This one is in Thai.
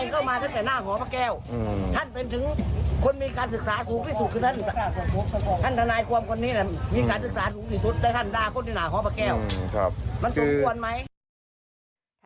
ข้างบนอาทิเชฟ